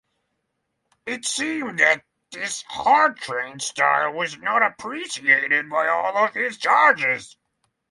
It seemed that his hard-training style was not appreciated by all of his charges.